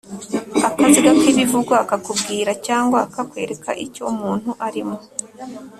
akaziga k'ibivugwa kakubwira cyangwa kakwereka icyo umuntu arimo